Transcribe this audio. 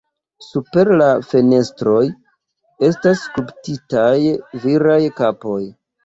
Super la fenestroj estas skulptitaj viraj kapoj.